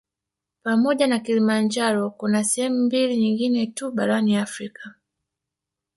Pamoja na Kilimanjaro kuna sehemu mbili nyingine tu barani Afrika